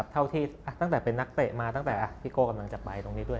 เท่าที่ตั้งแต่เป็นนักเตะมาตั้งแต่พี่โก้กำลังจะไปตรงนี้ด้วย